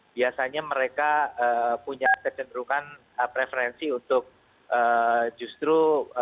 biasanya mereka punya kecenderungan preferensi untuk justru